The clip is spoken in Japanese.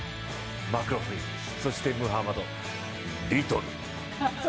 マクローフリン、そしてムハマド、リトル。